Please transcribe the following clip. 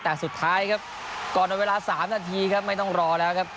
แต่สุดท้ายครับก่อนเวลา๓นาทีครับไม่ต้องรอแล้วครับ